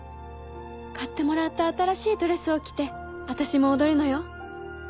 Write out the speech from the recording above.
買ってもらった新しいドレスを着てあたしも踊るのよ。